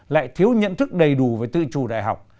lại thiếu nhận thức đầy đủ về tự chủ đại học